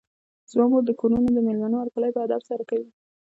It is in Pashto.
زما مور د کورونو د مېلمنو هرکلی په ادب سره کوي.